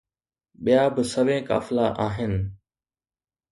ٻيا به سوين قافلا آهن